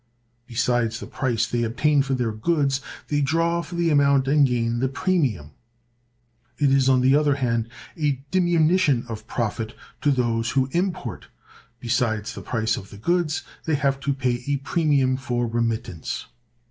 Besides the price they obtain for their goods, they draw for the amount and gain the premium. It is, on the other hand, a diminution of profit to those who import. Besides the price of the goods, they have to pay a premium for remittance.